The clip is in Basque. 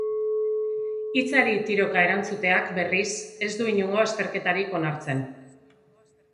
Hitzari tiroka erantzuteak, berriz, ez du inongo azterketarik onartzen.